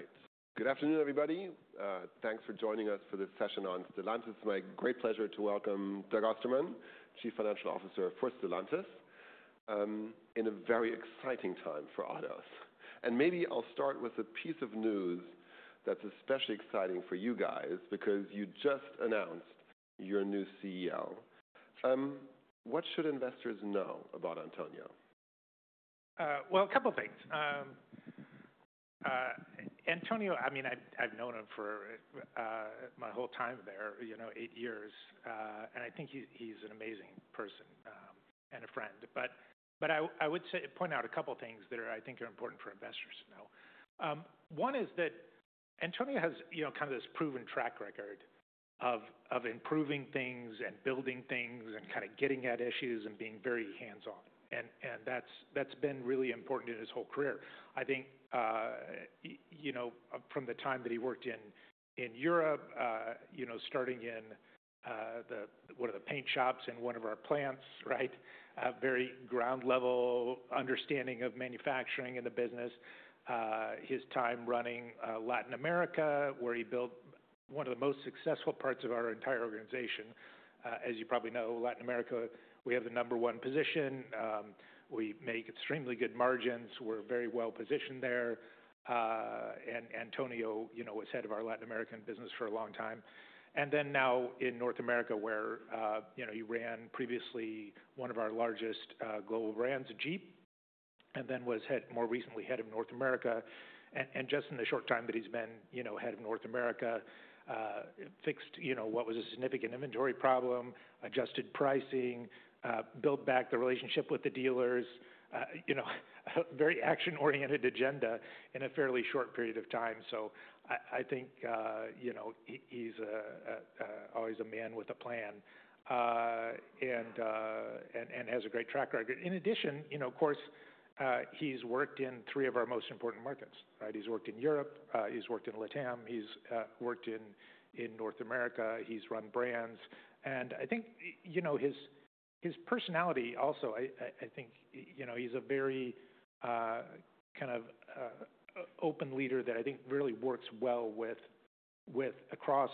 All right. Good afternoon, everybody. Thanks for joining us for this session on Stellantis. It's my great pleasure to welcome Doug Ostermann, Chief Financial Officer for Stellantis, in a very exciting time for autos. Maybe I'll start with a piece of news that's especially exciting for you guys because you just announced your new CEO. What should investors know about Antonio? A couple of things. Antonio, I mean, I've known him for my whole time there, eight years. I think he's an amazing person and a friend. I would point out a couple of things that I think are important for investors to know. One is that Antonio has kind of this proven track record of improving things and building things and kind of getting at issues and being very hands-on. That's been really important in his whole career. I think from the time that he worked in Europe, starting in one of the paint shops in one of our plants, very ground-level understanding of manufacturing in the business, his time running Latin America, where he built one of the most successful parts of our entire organization. As you probably know, Latin America, we have the number one position. We make extremely good margins. We're very well positioned there. Antonio was head of our Latin American business for a long time. Now in North America, where he ran previously one of our largest global brands, Jeep, and then was more recently head of North America. In just the short time that he's been head of North America, fixed what was a significant inventory problem, adjusted pricing, built back the relationship with the dealers, a very action-oriented agenda in a fairly short period of time. I think he's always a man with a plan and has a great track record. In addition, of course, he's worked in three of our most important markets. He's worked in Europe. He's worked in Latin America. He's worked in North America. He's run brands. I think his personality also, I think he's a very kind of open leader that I think really works well across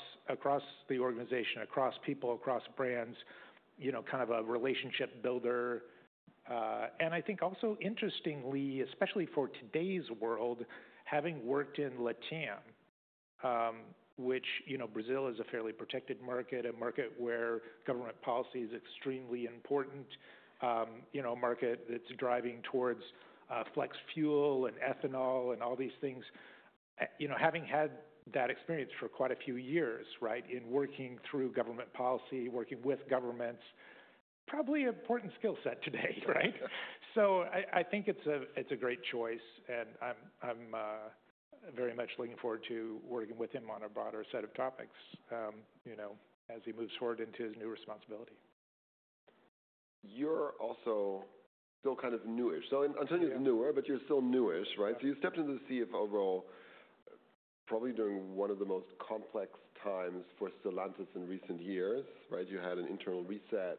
the organization, across people, across brands, kind of a relationship builder. I think also interestingly, especially for today's world, having worked in Latam, which Brazil is a fairly protected market, a market where government policy is extremely important, a market that's driving towards flex fuel and ethanol and all these things. Having had that experience for quite a few years in working through government policy, working with governments, probably an important skill set today. I think it's a great choice. I'm very much looking forward to working with him on a broader set of topics as he moves forward into his new responsibility. You're also still kind of newish. Antonio is newer, but you're still newish. You stepped into the CFO role probably during one of the most complex times for Stellantis in recent years. You had an internal reset.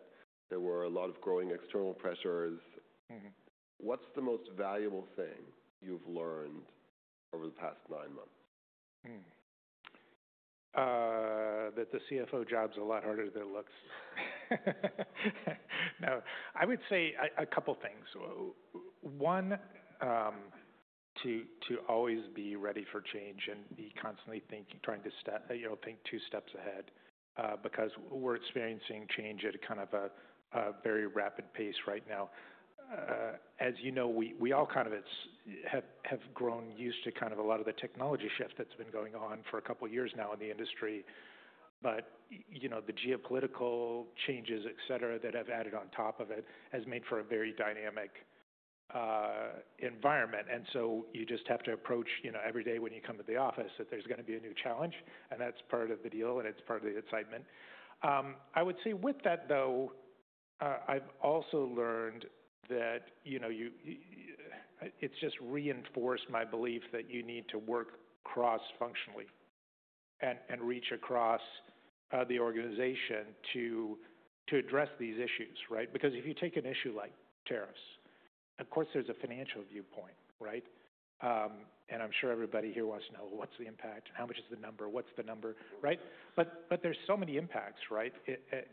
There were a lot of growing external pressures. What's the most valuable thing you've learned over the past nine months? That the CFO job's a lot harder than it looks. No. I would say a couple of things. One, to always be ready for change and be constantly trying to think two steps ahead because we're experiencing change at kind of a very rapid pace right now. As you know, we all kind of have grown used to kind of a lot of the technology shift that's been going on for a couple of years now in the industry. The geopolitical changes, et cetera, that have added on top of it has made for a very dynamic environment. You just have to approach every day when you come to the office that there's going to be a new challenge. That's part of the deal. It's part of the excitement. I would say with that, though, I've also learned that it's just reinforced my belief that you need to work cross-functionally and reach across the organization to address these issues. Because if you take an issue like tariffs, of course, there's a financial viewpoint. And I'm sure everybody here wants to know what's the impact, how much is the number, what's the number. But there are so many impacts.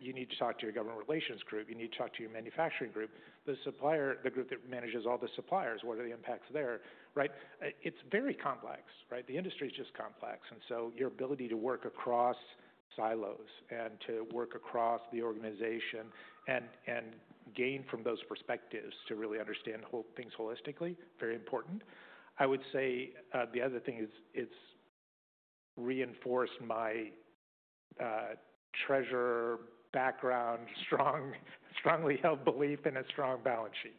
You need to talk to your government relations group. You need to talk to your manufacturing group, the supplier, the group that manages all the suppliers. What are the impacts there? It's very complex. The industry is just complex. Your ability to work across silos and to work across the organization and gain from those perspectives to really understand things holistically is very important. I would say the other thing is it's reinforced my treasurer background, strongly held belief in a strong balance sheet.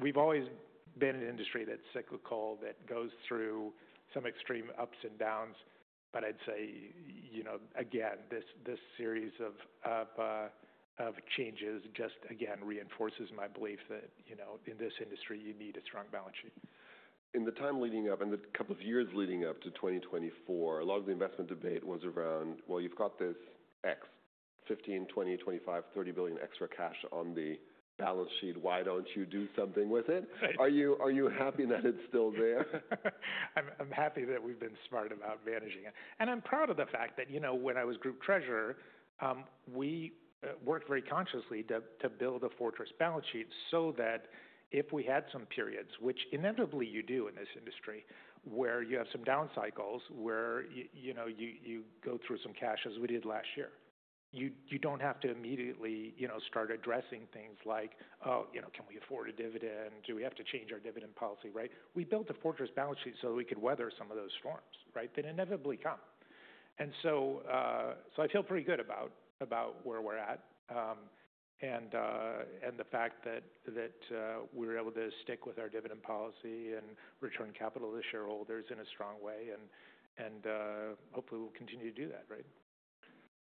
We've always been an industry that's cyclical, that goes through some extreme ups and downs. I'd say, again, this series of changes just, again, reinforces my belief that in this industry, you need a strong balance sheet. In the time leading up and the couple of years leading up to 2024, a lot of the investment debate was around, well, you've got this $15 billion, $20 billion, $25 billion, $30 billion extra cash on the balance sheet. Why don't you do something with it? Are you happy that it's still there? I'm happy that we've been smart about managing it. I'm proud of the fact that when I was Group Treasurer, we worked very consciously to build a fortress balance sheet so that if we had some periods, which inevitably you do in this industry, where you have some down cycles where you go through some cash as we did last year, you don't have to immediately start addressing things like, oh, can we afford a dividend? Do we have to change our dividend policy? We built a fortress balance sheet so that we could weather some of those storms that inevitably come. I feel pretty good about where we're at and the fact that we were able to stick with our dividend policy and return capital to shareholders in a strong way. Hopefully, we'll continue to do that.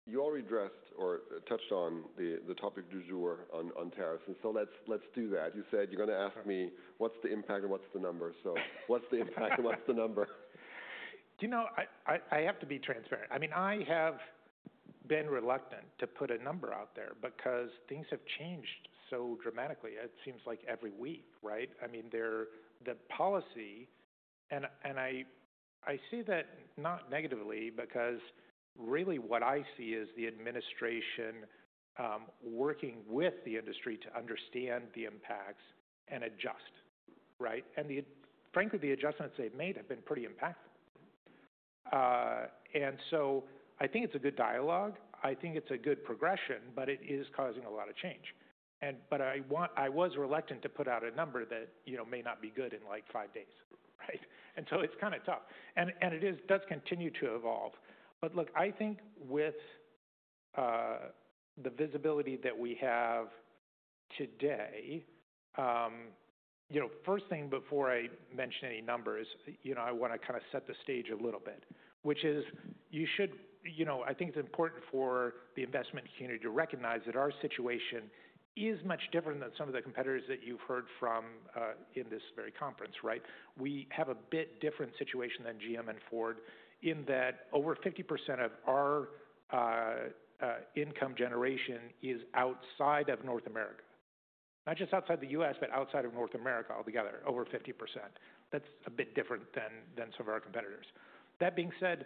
You already addressed or touched on the topic du jour on tariffs. Let's do that. You said you're going to ask me what's the impact and what's the number. What's the impact and what's the number? You know, I have to be transparent. I mean, I have been reluctant to put a number out there because things have changed so dramatically. It seems like every week. I mean, the policy. I say that not negatively because really what I see is the administration working with the industry to understand the impacts and adjust. Frankly, the adjustments they have made have been pretty impactful. I think it is a good dialogue. I think it is a good progression. It is causing a lot of change. I was reluctant to put out a number that may not be good in like five days. It is kind of tough. It does continue to evolve. Look, I think with the visibility that we have today, first thing before I mention any numbers, I want to kind of set the stage a little bit, which is you should, I think it's important for the investment community to recognize that our situation is much different than some of the competitors that you've heard from in this very conference. We have a bit different situation than GM and Ford in that over 50% of our income generation is outside of North America. Not just outside the U.S., but outside of North America altogether, over 50%. That's a bit different than some of our competitors. That being said,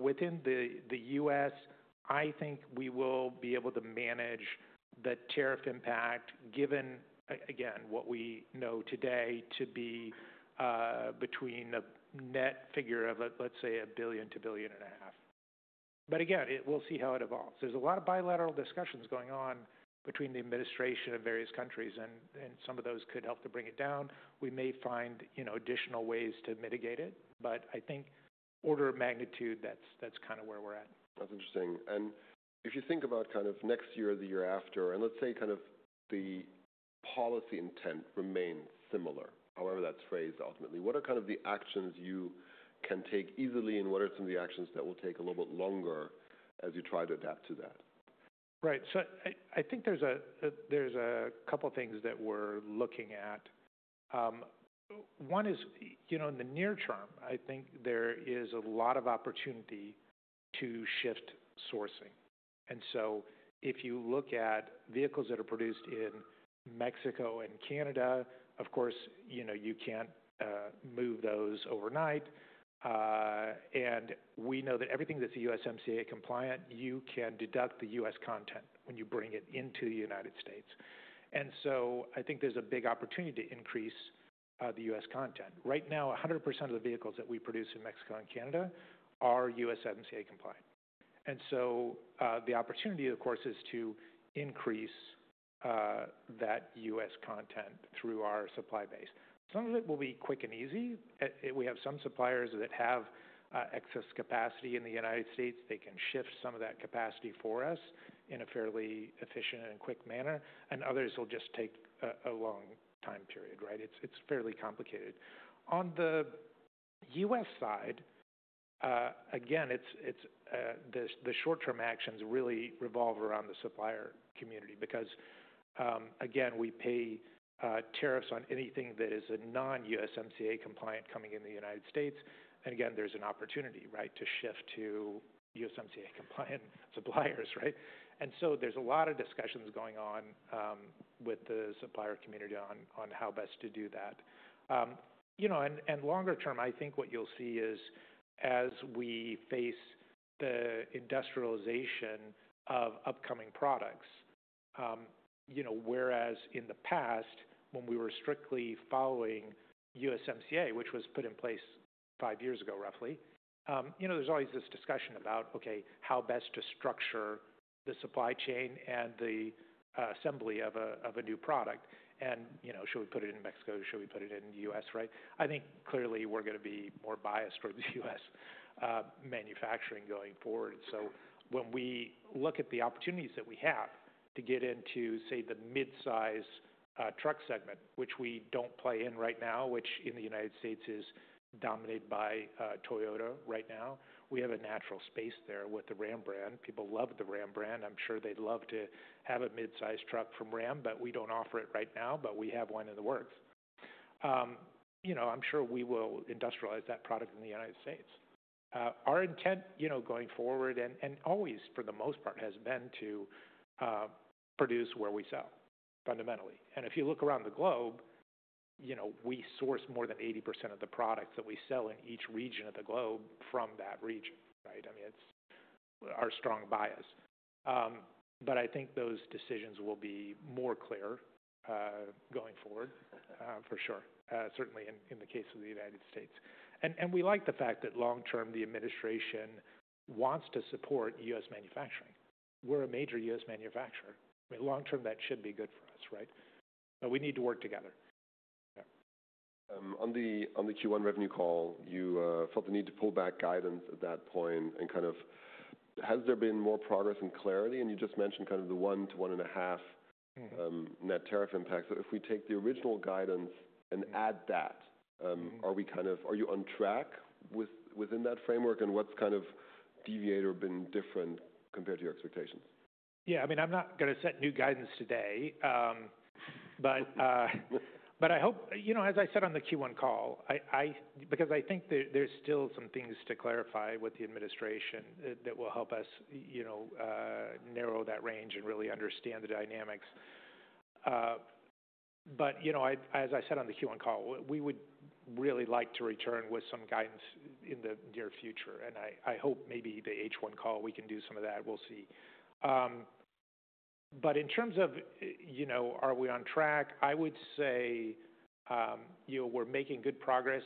within the U.S., I think we will be able to manage the tariff impact given, again, what we know today to be between a net figure of, let's say, $1 billion-$1.5 billion. Again, we'll see how it evolves. There is a lot of bilateral discussions going on between the administration of various countries. Some of those could help to bring it down. We may find additional ways to mitigate it. I think order of magnitude, that's kind of where we're at. That's interesting. If you think about kind of next year or the year after, and let's say kind of the policy intent remains similar, however that's phrased ultimately, what are kind of the actions you can take easily? What are some of the actions that will take a little bit longer as you try to adapt to that? Right. I think there are a couple of things that we're looking at. One is in the near term, I think there is a lot of opportunity to shift sourcing. If you look at vehicles that are produced in Mexico and Canada, of course, you can't move those overnight. We know that everything that's USMCA compliant, you can deduct the US content when you bring it into the United States. I think there's a big opportunity to increase the US content. Right now, 100% of the vehicles that we produce in Mexico and Canada are USMCA compliant. The opportunity, of course, is to increase that US content through our supply base. Some of it will be quick and easy. We have some suppliers that have excess capacity in the United States. They can shift some of that capacity for us in a fairly efficient and quick manner. Others will just take a long time period. It is fairly complicated. On the U.S. side, again, the short-term actions really revolve around the supplier community because, again, we pay tariffs on anything that is non-USMCA compliant coming into the United States. Again, there is an opportunity to shift to USMCA compliant suppliers. There are a lot of discussions going on with the supplier community on how best to do that. Longer term, I think what you will see is as we face the industrialization of upcoming products, whereas in the past, when we were strictly following USMCA, which was put in place five years ago roughly, there is always this discussion about, OK, how best to structure the supply chain and the assembly of a new product. Should we put it in Mexico? Should we put it in the U.S.? I think clearly we're going to be more biased towards U.S. manufacturing going forward. When we look at the opportunities that we have to get into, say, the mid-size truck segment, which we don't play in right now, which in the United States is dominated by Toyota right now, we have a natural space there with the Ram brand. People love the Ram brand. I'm sure they'd love to have a mid-size truck from Ram, but we don't offer it right now. We have one in the works. I'm sure we will industrialize that product in the United States. Our intent going forward and always, for the most part, has been to produce where we sell, fundamentally. If you look around the globe, we source more than 80% of the products that we sell in each region of the globe from that region. I mean, it's our strong bias. I think those decisions will be more clear going forward, for sure, certainly in the case of the United States. We like the fact that long term, the administration wants to support U.S. manufacturing. We're a major U.S. manufacturer. I mean, long term, that should be good for us. We need to work together. On the Q1 revenue call, you felt the need to pull back guidance at that point. Has there been more progress and clarity? You just mentioned the one to one and a half net tariff impacts. If we take the original guidance and add that, are you on track within that framework? What has deviated or been different compared to your expectations? Yeah. I mean, I'm not going to set new guidance today. I hope, as I said on the Q1 call, because I think there's still some things to clarify with the administration that will help us narrow that range and really understand the dynamics. As I said on the Q1 call, we would really like to return with some guidance in the near future. I hope maybe the H1 call, we can do some of that. We'll see. In terms of are we on track, I would say we're making good progress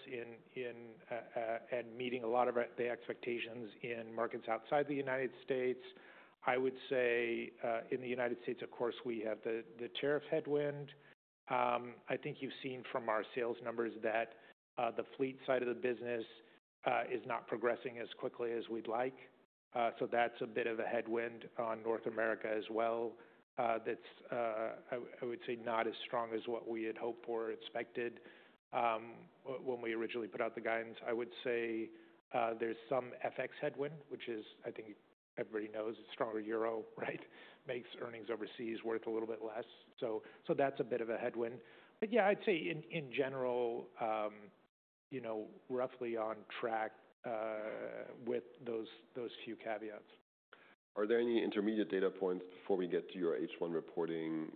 and meeting a lot of the expectations in markets outside the United States. I would say in the United States, of course, we have the tariff headwind. I think you've seen from our sales numbers that the fleet side of the business is not progressing as quickly as we'd like. That's a bit of a headwind on North America as well that's, I would say, not as strong as what we had hoped or expected when we originally put out the guidance. I would say there's some FX headwind, which is, I think everybody knows, a stronger euro makes earnings overseas worth a little bit less. That's a bit of a headwind. Yeah, I'd say in general, roughly on track with those few caveats. Are there any intermediate data points before we get to your H1 reporting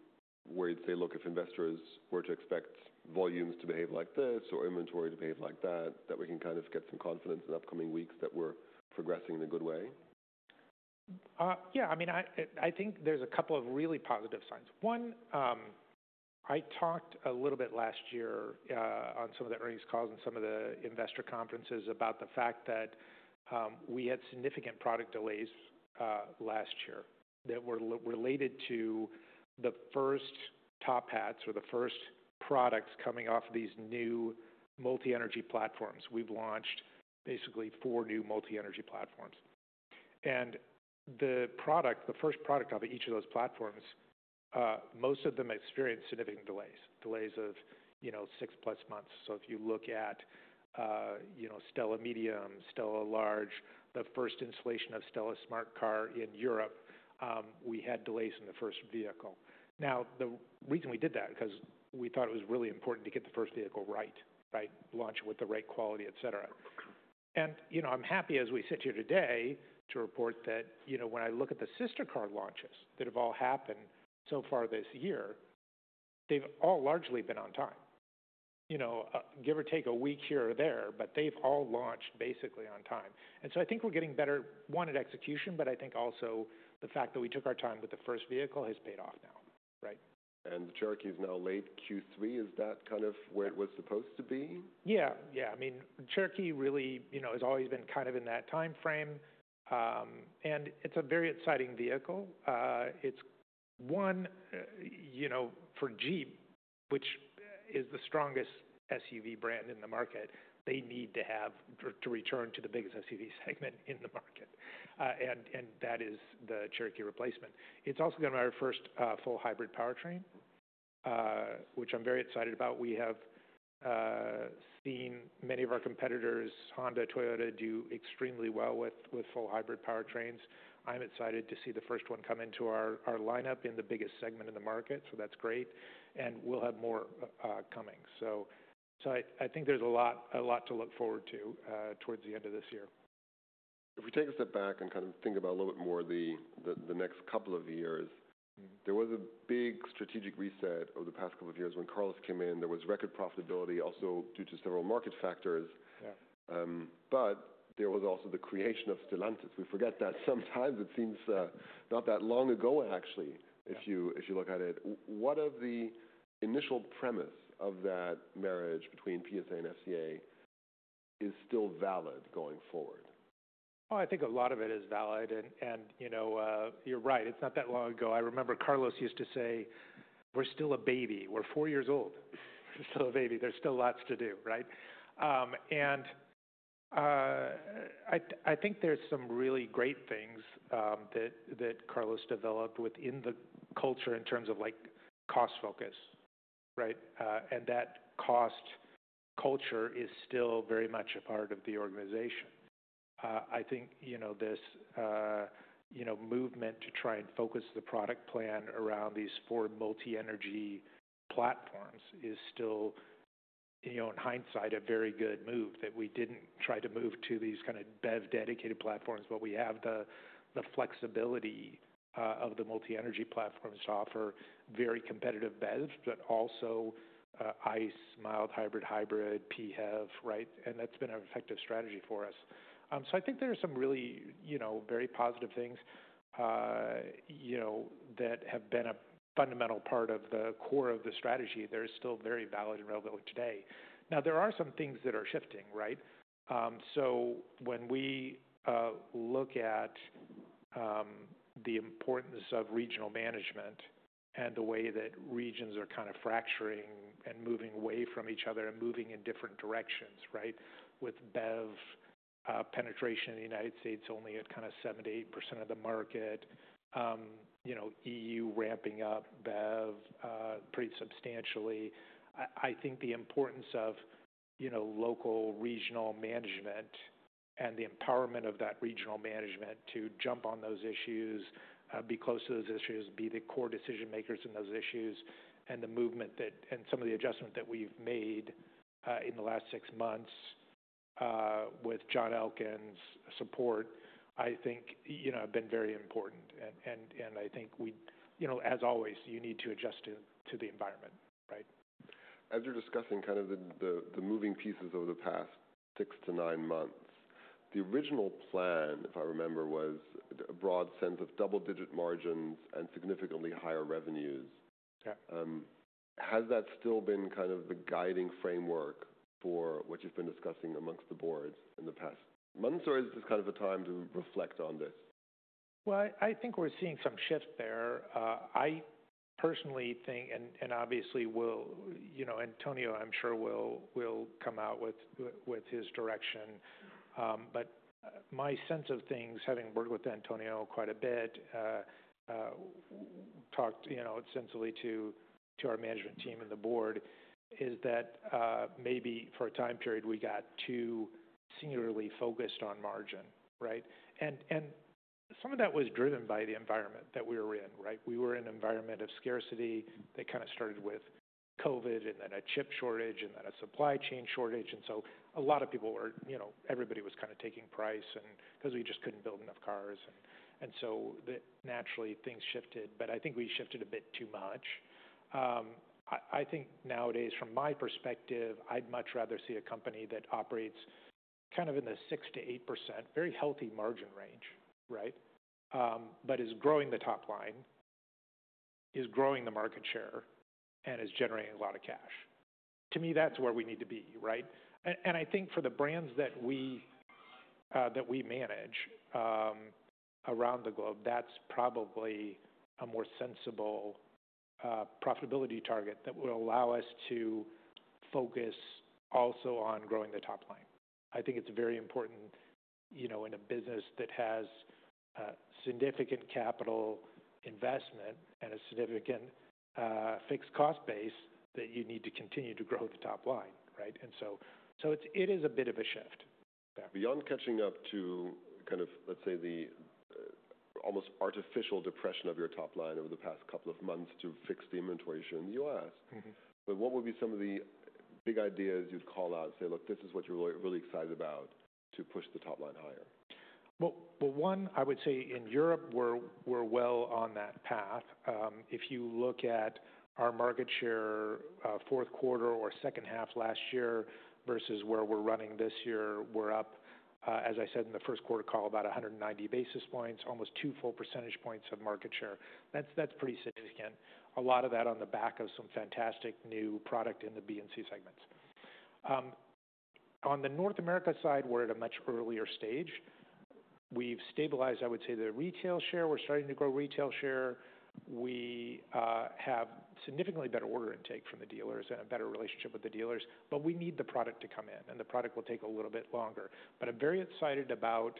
where you'd say, look, if investors were to expect volumes to behave like this or inventory to behave like that, that we can kind of get some confidence in upcoming weeks that we're progressing in a good way? Yeah. I mean, I think there's a couple of really positive signs. One, I talked a little bit last year on some of the earnings calls and some of the investor conferences about the fact that we had significant product delays last year that were related to the first top hats or the first products coming off these new multi-energy platforms. We've launched basically four new multi-energy platforms. And the product, the first product of each of those platforms, most of them experienced significant delays, delays of six-plus months. If you look at STLA Medium, STLA Large, the first installation of STLA Smart Car in Europe, we had delays in the first vehicle. Now, the reason we did that is because we thought it was really important to get the first vehicle right, launch it with the right quality, et cetera. I am happy as we sit here today to report that when I look at the sister car launches that have all happened so far this year, they have all largely been on time, give or take a week here or there. They have all launched basically on time. I think we are getting better, one, at execution. I think also the fact that we took our time with the first vehicle has paid off now. The Cherokee is now late Q3. Is that kind of where it was supposed to be? Yeah. Yeah. I mean, Cherokee really has always been kind of in that time frame. It is a very exciting vehicle. It is, one, for Jeep, which is the strongest SUV brand in the market, they need to have to return to the biggest SUV segment in the market. That is the Cherokee replacement. It is also going to be our first full hybrid powertrain, which I am very excited about. We have seen many of our competitors, Honda, Toyota, do extremely well with full hybrid powertrains. I am excited to see the first one come into our lineup in the biggest segment in the market. That is great. We will have more coming. I think there is a lot to look forward to towards the end of this year. If we take a step back and kind of think about a little bit more the next couple of years, there was a big strategic reset over the past couple of years when Carlos came in. There was record profitability also due to several market factors. There was also the creation of Stellantis. We forget that sometimes. It seems not that long ago, actually, if you look at it. What of the initial premise of that marriage between PSA and FCA is still valid going forward? I think a lot of it is valid. And you're right. It's not that long ago. I remember Carlos used to say, we're still a baby. We're four years old. We're still a baby. There's still lots to do. I think there's some really great things that Carlos developed within the culture in terms of cost focus. That cost culture is still very much a part of the organization. I think this movement to try and focus the product plan around these four multi-energy platforms is still, in hindsight, a very good move that we didn't try to move to these kind of dedicated platforms. We have the flexibility of the multi-energy platforms to offer very competitive BEVs, but also ICE, mild hybrid, hybrid, PHEV. That's been an effective strategy for us. I think there are some really very positive things that have been a fundamental part of the core of the strategy that are still very valid and relevant today. Now, there are some things that are shifting. When we look at the importance of regional management and the way that regions are kind of fracturing and moving away from each other and moving in different directions with BEV penetration in the United States only at kind of 70% of the market, EU ramping up BEV pretty substantially, I think the importance of local regional management and the empowerment of that regional management to jump on those issues, be close to those issues, be the core decision makers in those issues. The movement and some of the adjustment that we've made in the last six months with John Elkann's support, I think, have been very important. I think, as always, you need to adjust to the environment. As you're discussing kind of the moving pieces over the past six to nine months, the original plan, if I remember, was a broad sense of double-digit margins and significantly higher revenues. Has that still been kind of the guiding framework for what you've been discussing amongst the boards in the past months? Or is this kind of a time to reflect on this? I think we're seeing some shift there. I personally think, and obviously, Antonio, I'm sure, will come out with his direction. My sense of things, having worked with Antonio quite a bit, talked extensively to our management team and the board, is that maybe for a time period, we got too singularly focused on margin. Some of that was driven by the environment that we were in. We were in an environment of scarcity that kind of started with COVID and then a chip shortage and then a supply chain shortage. A lot of people were, everybody was kind of taking price because we just couldn't build enough cars. Naturally, things shifted. I think we shifted a bit too much. I think nowadays, from my perspective, I'd much rather see a company that operates kind of in the 6%-8%, very healthy margin range, but is growing the top line, is growing the market share, and is generating a lot of cash. To me, that's where we need to be. I think for the brands that we manage around the globe, that's probably a more sensible profitability target that will allow us to focus also on growing the top line. I think it's very important in a business that has significant capital investment and a significant fixed cost base that you need to continue to grow the top line. It is a bit of a shift. Beyond catching up to kind of, let's say, the almost artificial depression of your top line over the past couple of months to fix the inventory issue in the U.S., what would be some of the big ideas you'd call out and say, look, this is what you're really excited about to push the top line higher? In Europe, we're well on that path. If you look at our market share fourth quarter or second half last year versus where we're running this year, we're up, as I said in the first quarter call, about 190 basis points, almost two full percentage points of market share. That's pretty significant. A lot of that on the back of some fantastic new product in the B and C segments. On the North America side, we're at a much earlier stage. We've stabilized, I would say, the retail share. We're starting to grow retail share. We have significantly better order intake from the dealers and a better relationship with the dealers. We need the product to come in. The product will take a little bit longer. I'm very excited about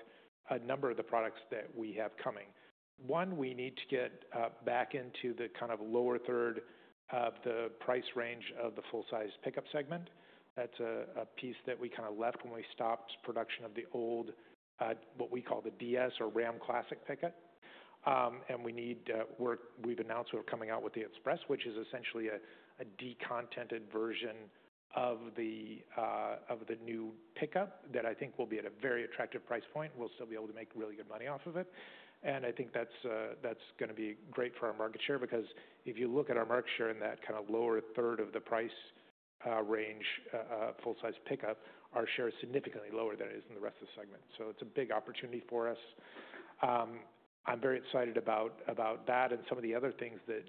a number of the products that we have coming. One, we need to get back into the kind of lower third of the price range of the full-size pickup segment. That is a piece that we kind of left when we stopped production of the old, what we call the DS or Ram Classic pickup. We have announced we are coming out with the Express, which is essentially a decontented version of the new pickup that I think will be at a very attractive price point. We will still be able to make really good money off of it. I think that is going to be great for our market share because if you look at our market share in that kind of lower third of the price range, full-size pickup, our share is significantly lower than it is in the rest of the segment. It is a big opportunity for us. I'm very excited about that and some of the other things that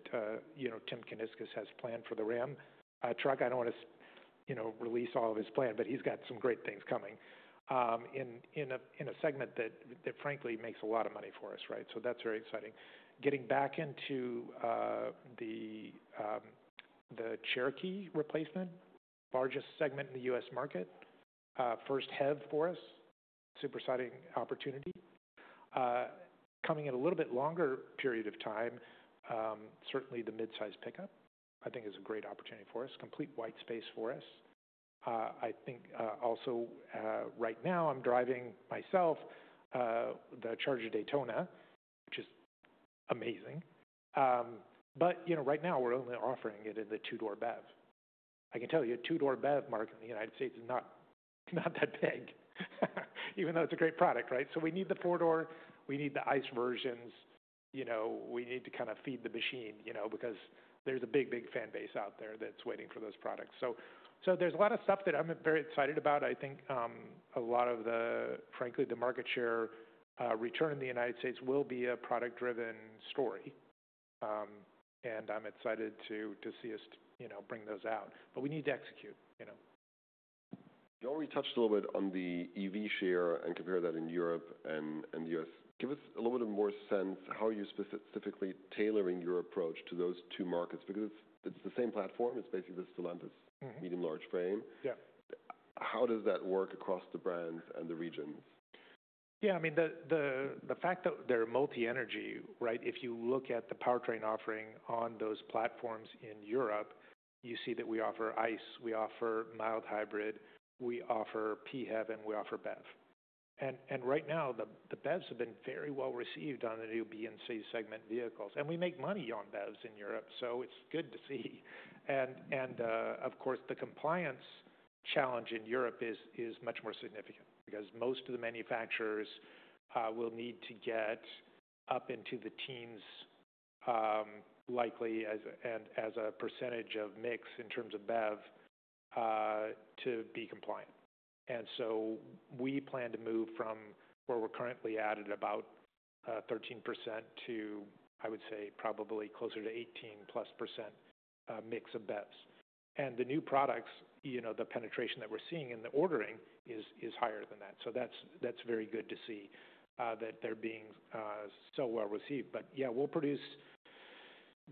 Tim Kuniskis has planned for the Ram Truck. I don't want to release all of his plan, but he's got some great things coming in a segment that, frankly, makes a lot of money for us. That is very exciting. Getting back into the Cherokee replacement, largest segment in the U.S. market, first HEV for us, super exciting opportunity. Coming in a little bit longer period of time, certainly the mid-size pickup, I think, is a great opportunity for us, complete white space for us. I think also right now I'm driving myself the Charger Daytona, which is amazing. Right now, we're only offering it in the two-door BEV. I can tell you a two-door BEV market in the United States is not that big, even though it's a great product. We need the four-door. We need the ICE versions. We need to kind of feed the machine because there's a big, big fan base out there that's waiting for those products. There is a lot of stuff that I'm very excited about. I think a lot of the, frankly, the market share return in the United States will be a product-driven story. I'm excited to see us bring those out. We need to execute. You already touched a little bit on the EV share and compared that in Europe and the U.S. Give us a little bit more sense how you're specifically tailoring your approach to those two markets because it's the same platform. It's basically the Stellantis Medium-Large frame. How does that work across the brands and the regions? Yeah. I mean, the fact that they're multi-energy, if you look at the powertrain offering on those platforms in Europe, you see that we offer ICE. We offer mild hybrid. We offer PHEV. And we offer BEV. Right now, the BEVs have been very well received on the new B and C segment vehicles. We make money on BEVs in Europe. It is good to see. Of course, the compliance challenge in Europe is much more significant because most of the manufacturers will need to get up into the teens, likely, as a percentage of mix in terms of BEV to be compliant. We plan to move from where we are currently at at about 13% to, I would say, probably closer to 18%+ mix of BEVs. The new products, the penetration that we are seeing in the ordering is higher than that. That is very good to see that they are being so well received. Yeah, we will produce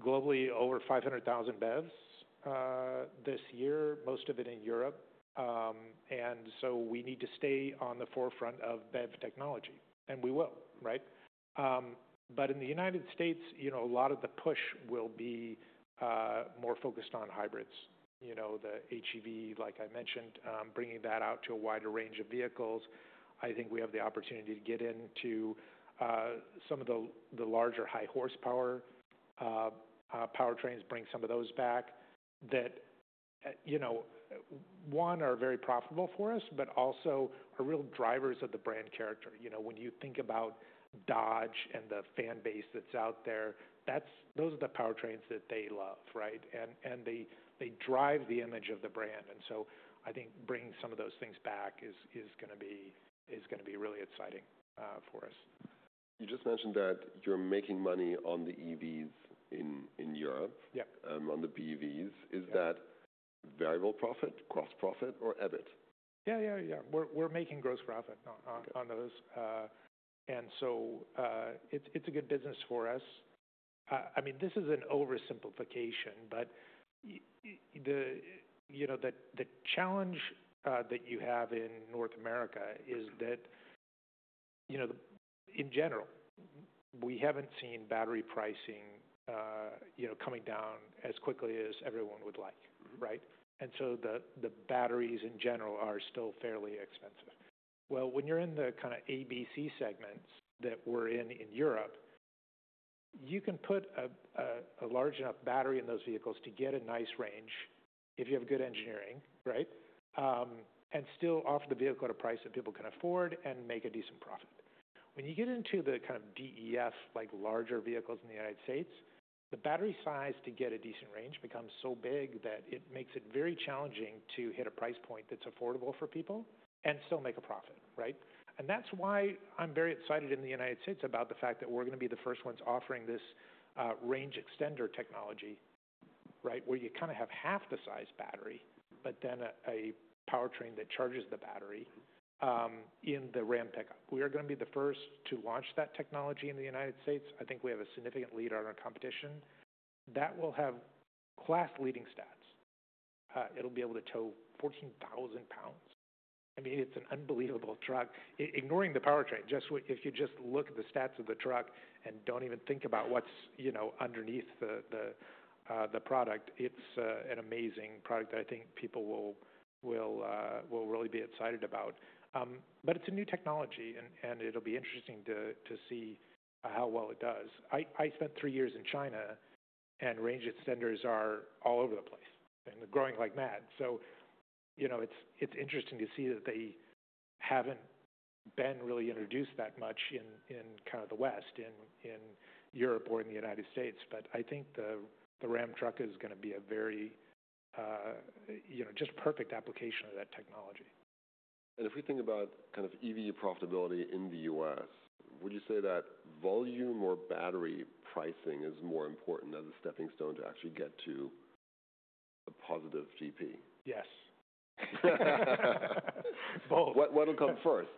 globally over 500,000 BEVs this year, most of it in Europe. We need to stay on the forefront of BEV technology, and we will. In the United States, a lot of the push will be more focused on hybrids, the HEV, like I mentioned, bringing that out to a wider range of vehicles. I think we have the opportunity to get into some of the larger high-horsepower powertrains, bring some of those back that, one, are very profitable for us, but also are real drivers of the brand character. When you think about Dodge and the fan base that is out there, those are the powertrains that they love. They drive the image of the brand. I think bringing some of those things back is going to be really exciting for us. You just mentioned that you're making money on the EVs in Europe, on the BEVs. Is that variable profit, gross profit, or EBIT? Yeah, yeah, yeah. We're making gross profit on those. It's a good business for us. I mean, this is an oversimplification. The challenge that you have in North America is that, in general, we haven't seen battery pricing coming down as quickly as everyone would like. The batteries in general are still fairly expensive. When you're in the kind of A, B, C segments that we're in in Europe, you can put a large enough battery in those vehicles to get a nice range if you have good engineering and still offer the vehicle at a price that people can afford and make a decent profit. When you get into the kind of BEV, like larger vehicles in the United States, the battery size to get a decent range becomes so big that it makes it very challenging to hit a price point that's affordable for people and still make a profit. That is why I'm very excited in the United States about the fact that we're going to be the first ones offering this range extender technology where you kind of have half the size battery, but then a powertrain that charges the battery in the Ram pickup. We are going to be the first to launch that technology in the United States. I think we have a significant leader in our competition. That will have class-leading stats. It'll be able to tow 14,000 lbs. I mean, it's an unbelievable truck. Ignoring the powertrain, if you just look at the stats of the truck and do not even think about what is underneath the product, it is an amazing product that I think people will really be excited about. It is a new technology. It will be interesting to see how well it does. I spent three years in China. Range extenders are all over the place and growing like mad. It is interesting to see that they have not been really introduced that much in kind of the West, in Europe, or in the United States. I think the Ram truck is going to be a very just perfect application of that technology. If we think about kind of EV profitability in the U.S., would you say that volume or battery pricing is more important as a stepping stone to actually get to a positive GP? Yes. Both. What'll come first?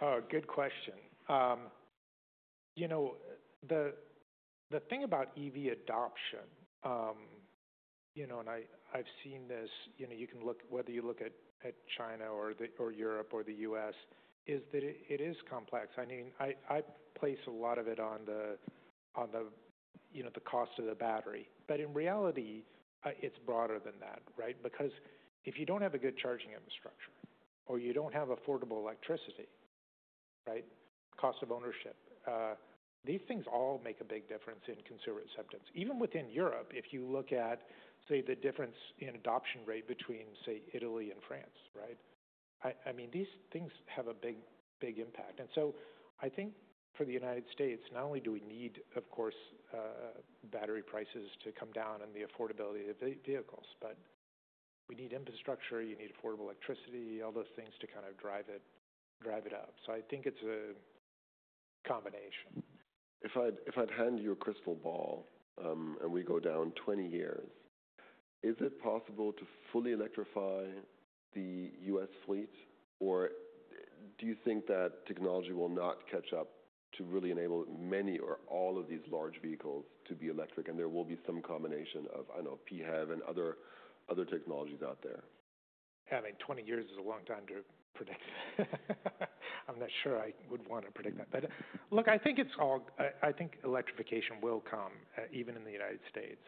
Oh, good question. The thing about EV adoption, and I've seen this, whether you look at China or Europe or the U.S., is that it is complex. I mean, I place a lot of it on the cost of the battery. In reality, it's broader than that because if you don't have a good charging infrastructure or you don't have affordable electricity, cost of ownership, these things all make a big difference in consumer acceptance. Even within Europe, if you look at, say, the difference in adoption rate between, say, Italy and France, these things have a big impact. I think for the United States, not only do we need, of course, battery prices to come down and the affordability of vehicles, but we need infrastructure. You need affordable electricity, all those things to kind of drive it up. I think it's a combination. If I'd hand you a crystal ball and we go down 20 years, is it possible to fully electrify the U.S. fleet? Or do you think that technology will not catch up to really enable many or all of these large vehicles to be electric? There will be some combination of, I don't know, PHEV and other technologies out there. I mean, 20 years is a long time to predict. I'm not sure I would want to predict that. Look, I think electrification will come, even in the United States,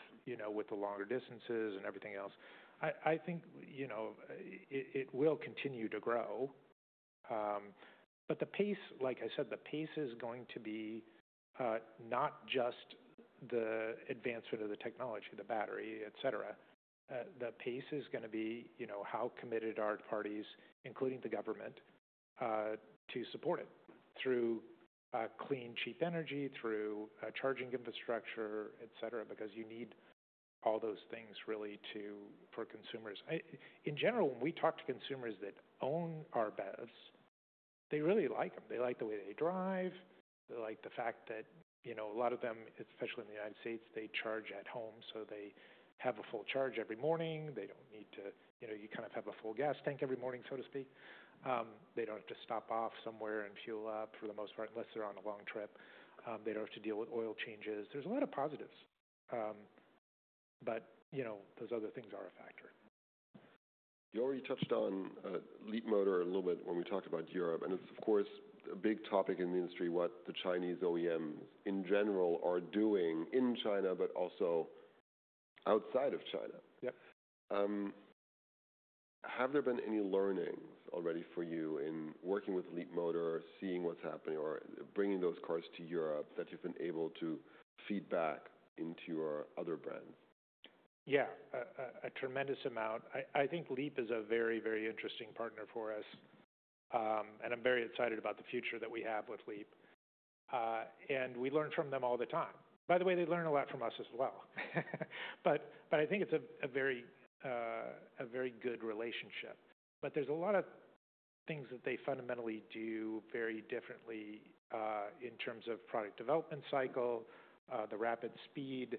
with the longer distances and everything else. I think it will continue to grow. Like I said, the pace is going to be not just the advancement of the technology, the battery, et cetera. The pace is going to be how committed are parties, including the government, to support it through clean, cheap energy, through charging infrastructure, et cetera, because you need all those things really for consumers. In general, when we talk to consumers that own our BEVs, they really like them. They like the way they drive. They like the fact that a lot of them, especially in the United States, they charge at home. They have a full charge every morning. They do not need to, you kind of have a full gas tank every morning, so to speak. They do not have to stop off somewhere and fuel up for the most part, unless they are on a long trip. They do not have to deal with oil changes. There are a lot of positives. Those other things are a factor. You already touched on Leapmotor a little bit when we talked about Europe. It is, of course, a big topic in the industry what the Chinese OEMs, in general, are doing in China, but also outside of China. Have there been any learnings already for you in working with Leapmotor, seeing what is happening, or bringing those cars to Europe that you have been able to feed back into your other brands? Yeah, a tremendous amount. I think Leap is a very, very interesting partner for us. I'm very excited about the future that we have with Leap. We learn from them all the time. By the way, they learn a lot from us as well. I think it's a very good relationship. There's a lot of things that they fundamentally do very differently in terms of product development cycle, the rapid speed,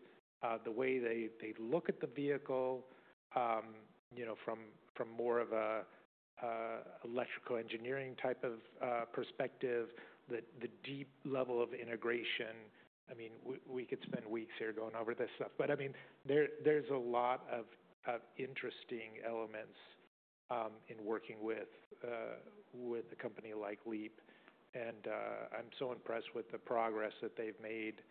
the way they look at the vehicle from more of an electrical engineering type of perspective, the deep level of integration. I mean, we could spend weeks here going over this stuff. I mean, there's a lot of interesting elements in working with a company like Leap. I'm so impressed with the progress that they've made.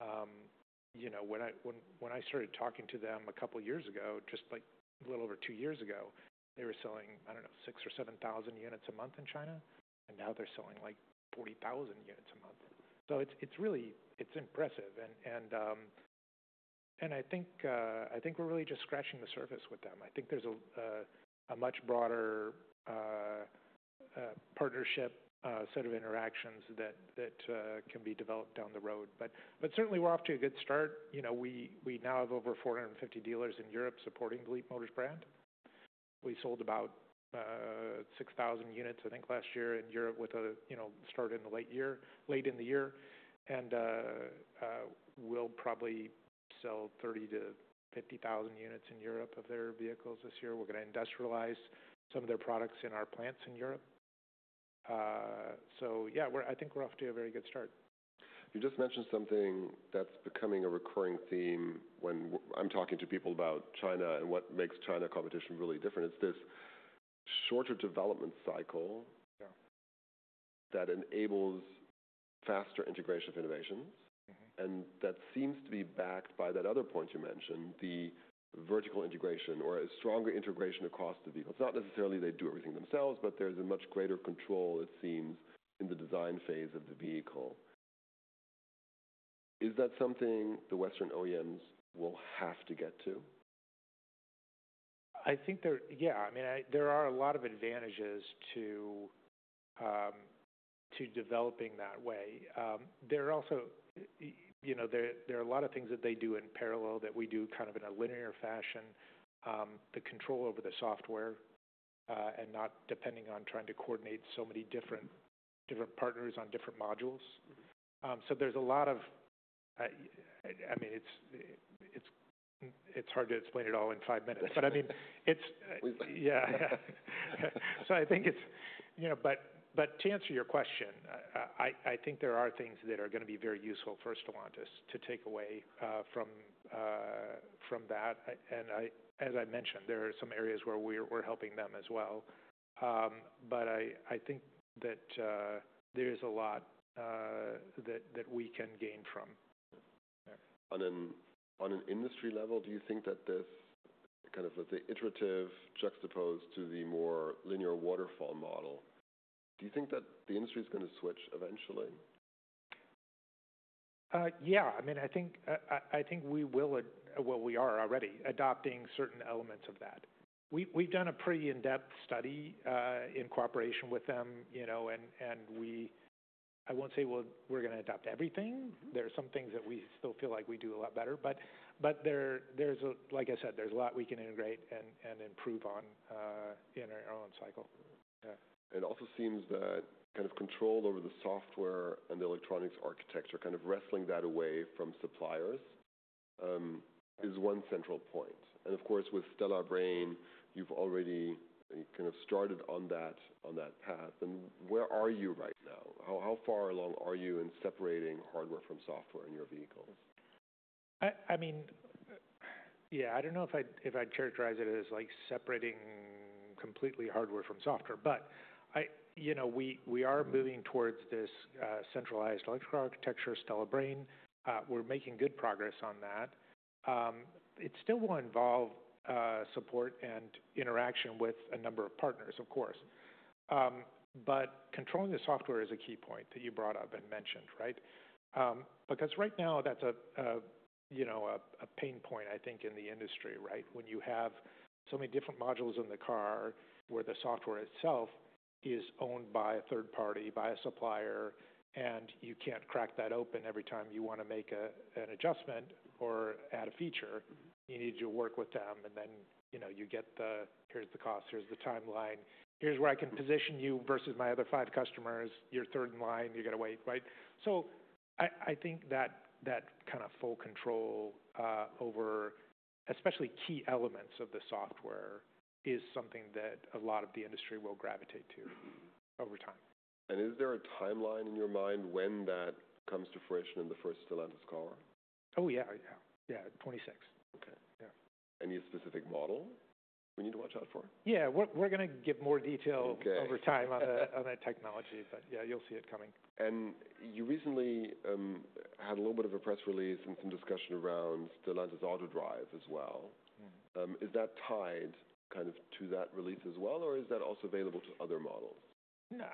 When I started talking to them a couple of years ago, just a little over two years ago, they were selling, I don't know, 6,000 or 7,000 units a month in China. Now they're selling like 40,000 units a month. It is impressive. I think we're really just scratching the surface with them. I think there's a much broader partnership, set of interactions that can be developed down the road. Certainly, we're off to a good start. We now have over 450 dealers in Europe supporting the Leapmotor brand. We sold about 6,000 units, I think, last year in Europe with a start late in the year. We'll probably sell 30,000-50,000 units in Europe of their vehicles this year. We're going to industrialize some of their products in our plants in Europe. Yeah, I think we're off to a very good start. You just mentioned something that's becoming a recurring theme when I'm talking to people about China and what makes China competition really different. It's this shorter development cycle that enables faster integration of innovations. That seems to be backed by that other point you mentioned, the vertical integration or a stronger integration across the vehicles. It's not necessarily they do everything themselves, but there's a much greater control, it seems, in the design phase of the vehicle. Is that something the Western OEMs will have to get to? I think, yeah. I mean, there are a lot of advantages to developing that way. There are a lot of things that they do in parallel that we do kind of in a linear fashion, the control over the software and not depending on trying to coordinate so many different partners on different modules. There is a lot of, I mean, it's hard to explain it all in five minutes. I mean, yeah. I think, to answer your question, I think there are things that are going to be very useful for Stellantis to take away from that. As I mentioned, there are some areas where we're helping them as well. I think that there is a lot that we can gain from. On an industry level, do you think that this kind of the iterative juxtaposed to the more linear waterfall model, do you think that the industry is going to switch eventually? Yeah. I mean, I think we will, well, we are already adopting certain elements of that. We've done a pretty in-depth study in cooperation with them. I won't say we're going to adopt everything. There are some things that we still feel like we do a lot better. Like I said, there's a lot we can integrate and improve on in our own cycle. It also seems that kind of control over the software and the electronics architecture, kind of wrestling that away from suppliers, is one central point. Of course, with STLA Brain, you've already kind of started on that path. Where are you right now? How far along are you in separating hardware from software in your vehicles? I mean, yeah, I don't know if I'd characterize it as separating completely hardware from software. We are moving towards this centralized electrical architecture, STLA Brain. We're making good progress on that. It still will involve support and interaction with a number of partners, of course. Controlling the software is a key point that you brought up and mentioned, right? Because right now, that's a pain point, I think, in the industry when you have so many different modules in the car where the software itself is owned by a third party, by a supplier. You can't crack that open every time you want to make an adjustment or add a feature. You need to work with them. You get the, here's the cost, here's the timeline. Here's where I can position you versus my other five customers. You're third in line. You're going to wait, right? I think that kind of full control over especially key elements of the software is something that a lot of the industry will gravitate to over time. Is there a timeline in your mind when that comes to fruition in the first Stellantis car? Oh, yeah. Yeah, 26. Okay. Any specific model we need to watch out for? Yeah. We're going to give more detail over time on that technology. Yeah, you'll see it coming. You recently had a little bit of a press release and some discussion around Stellantis Autodrive as well. Is that tied kind of to that release as well, or is that also available to other models?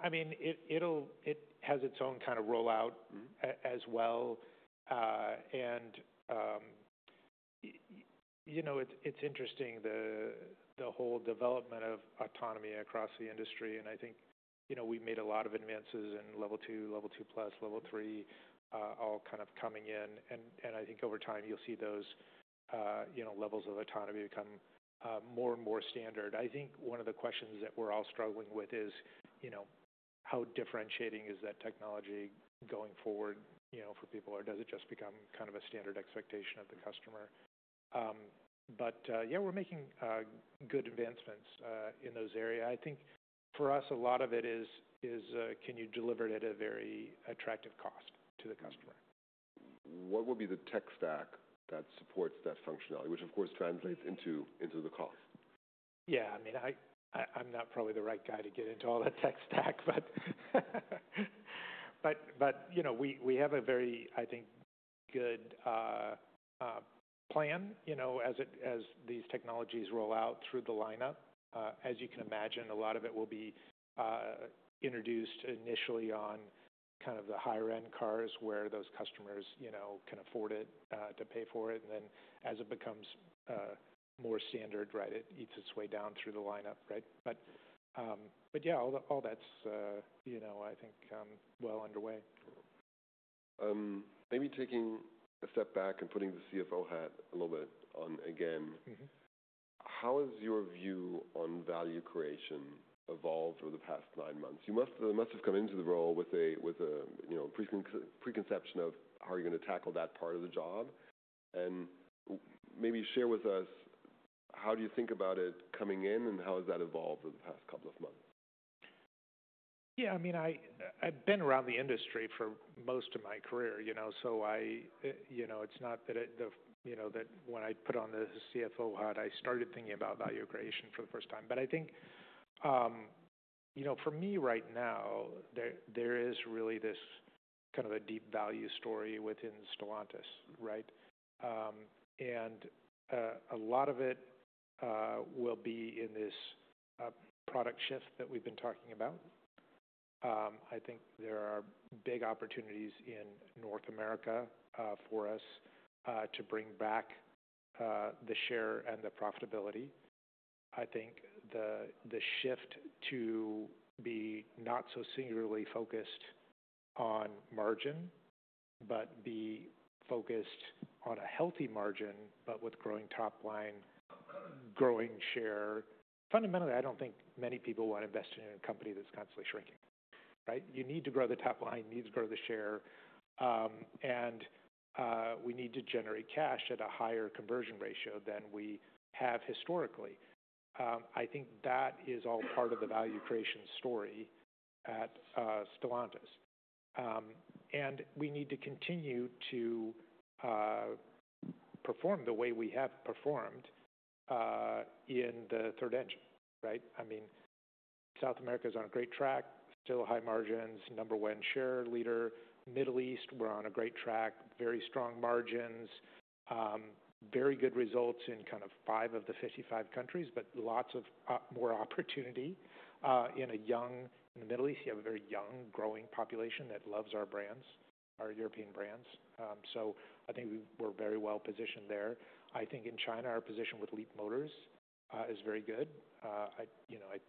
I mean, it has its own kind of rollout as well. It is interesting, the whole development of autonomy across the industry. I think we have made a lot of advances in level 2, level 2 plus, level 3, all kind of coming in. I think over time, you will see those levels of autonomy become more and more standard. I think one of the questions that we are all struggling with is how differentiating is that technology going forward for people, or does it just become kind of a standard expectation of the customer? Yeah, we are making good advancements in those areas. I think for us, a lot of it is can you deliver it at a very attractive cost to the customer? What would be the tech stack that supports that functionality, which, of course, translates into the cost? Yeah. I mean, I'm not probably the right guy to get into all that tech stack. But we have a very, I think, good plan as these technologies roll out through the lineup. As you can imagine, a lot of it will be introduced initially on kind of the higher-end cars where those customers can afford it to pay for it. Then as it becomes more standard, it eats its way down through the lineup. Yeah, all that's, I think, well underway. Maybe taking a step back and putting the CFO hat a little bit on again, how has your view on value creation evolved over the past nine months? You must have come into the role with a preconception of how you're going to tackle that part of the job. Maybe share with us, how do you think about it coming in, and how has that evolved over the past couple of months? Yeah. I mean, I've been around the industry for most of my career. It's not that when I put on the CFO hat, I started thinking about value creation for the first time. I think for me right now, there is really this kind of a deep value story within Stellantis, right? A lot of it will be in this product shift that we've been talking about. I think there are big opportunities in North America for us to bring back the share and the profitability. I think the shift to be not so singularly focused on margin, but be focused on a healthy margin, but with growing top line, growing share. Fundamentally, I don't think many people want to invest in a company that's constantly shrinking, right? You need to grow the top line. You need to grow the share. We need to generate cash at a higher conversion ratio than we have historically. I think that is all part of the value creation story at Stellantis. We need to continue to perform the way we have performed in the third engine, right? I mean, South America is on a great track, still high margins, number one share leader. Middle East, we are on a great track, very strong margins, very good results in kind of five of the 55 countries, but lots of more opportunity. In the Middle East, you have a very young, growing population that loves our brands, our European brands. I think we are very well positioned there. I think in China, our position with Leapmotor is very good. I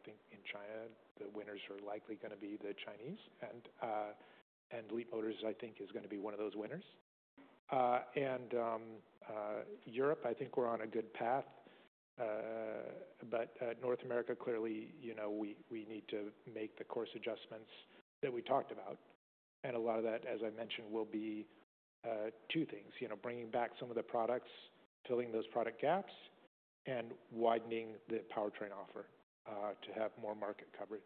think in China, the winners are likely going to be the Chinese. Leapmotor, I think, is going to be one of those winners. Europe, I think we're on a good path. North America, clearly, we need to make the course adjustments that we talked about. A lot of that, as I mentioned, will be two things: bringing back some of the products, filling those product gaps, and widening the powertrain offer to have more market coverage.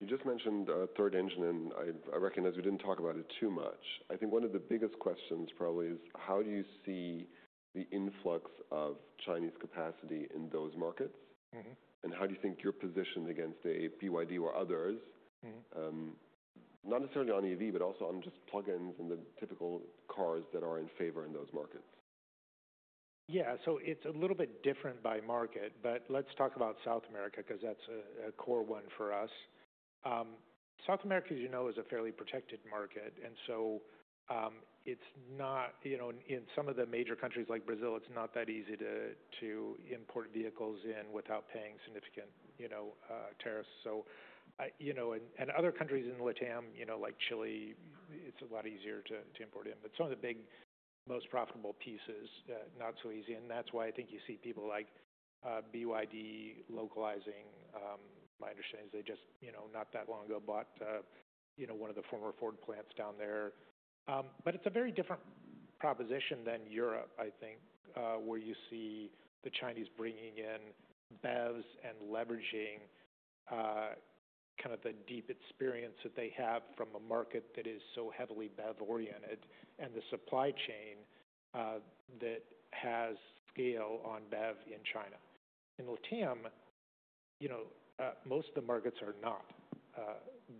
You just mentioned third engine, and I recognize we did not talk about it too much. I think one of the biggest questions probably is, how do you see the influx of Chinese capacity in those markets? How do you think you are positioned against a BYD or others, not necessarily on EV, but also on just plug-ins and the typical cars that are in favor in those markets? Yeah. It is a little bit different by market. Let's talk about South America because that's a core one for us. South America, as you know, is a fairly protected market. In some of the major countries like Brazil, it is not that easy to import vehicles in without paying significant tariffs. In other countries in the LatAm, like Chile, it is a lot easier to import in. Some of the big most profitable pieces, not so easy. That is why I think you see people like BYD localizing. My understanding is they just not that long ago bought one of the former Ford plants down there. It is a very different proposition than Europe, I think, where you see the Chinese bringing in BEVs and leveraging kind of the deep experience that they have from a market that is so heavily BEV-oriented and the supply chain that has scale on BEV in China. In Latin America, most of the markets are not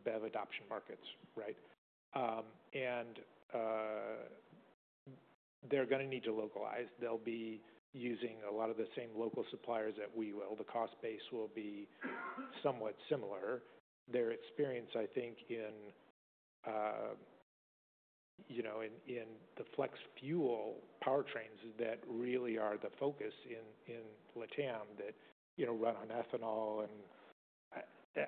BEV adoption markets, right? They are going to need to localize. They will be using a lot of the same local suppliers that we will. The cost base will be somewhat similar. Their experience, I think, in the flex fuel powertrains that really are the focus in Latin America that run on ethanol.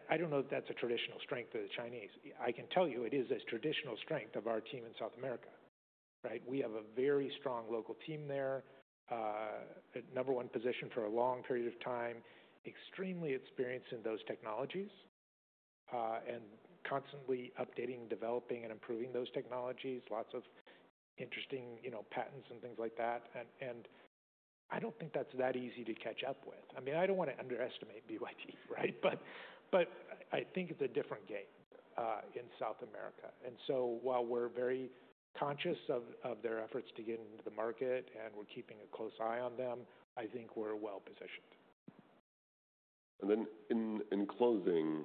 I do not know that that is a traditional strength of the Chinese. I can tell you it is a traditional strength of our team in South America, right? We have a very strong local team there, number one position for a long period of time, extremely experienced in those technologies, and constantly updating, developing, and improving those technologies, lots of interesting patents and things like that. I do not think that's that easy to catch up with. I mean, I do not want to underestimate BYD, right? I think it's a different game in South America. While we're very conscious of their efforts to get into the market and we're keeping a close eye on them, I think we're well positioned. In closing,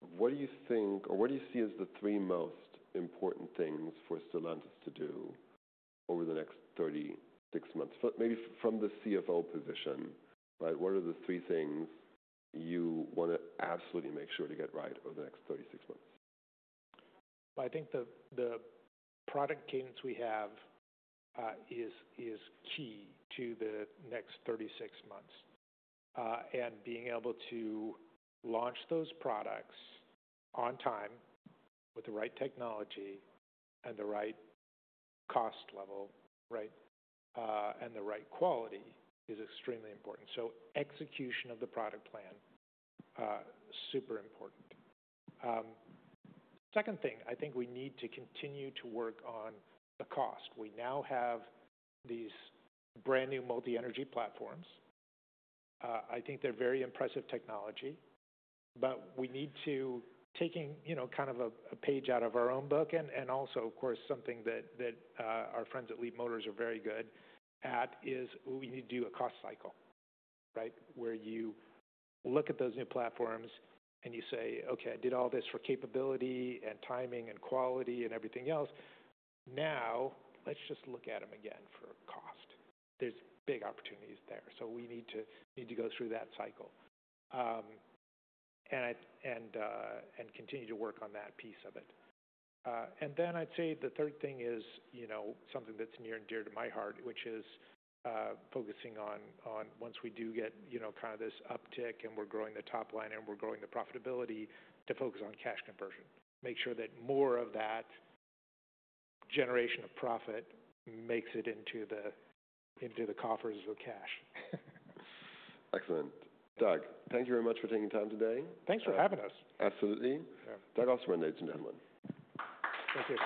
what do you think or what do you see as the three most important things for Stellantis to do over the next 36 months? Maybe from the CFO position, but what are the three things you want to absolutely make sure to get right over the next 36 months? I think the product cadence we have is key to the next 36 months. Being able to launch those products on time with the right technology and the right cost level, and the right quality is extremely important. Execution of the product plan is super important. Second thing, I think we need to continue to work on the cost. We now have these brand new multi-energy platforms. I think they're very impressive technology. We need to take kind of a page out of our own book. Also, of course, something that our friends at Leapmotor are very good at is we need to do a cost cycle, where you look at those new platforms and you say, "Okay, I did all this for capability and timing and quality and everything else. Now let's just look at them again for cost." There are big opportunities there. We need to go through that cycle and continue to work on that piece of it. I'd say the third thing is something that's near and dear to my heart, which is focusing on once we do get kind of this uptick and we're growing the top line and we're growing the profitability to focus on cash conversion, make sure that more of that generation of profit makes it into the coffers of cash. Excellent. Doug, thank you very much for taking time today. Thanks for having us. Absolutely. Doug Ostermann. Thank you.